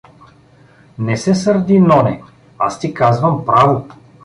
— Не се сърди, Ноне, аз ти казвам право.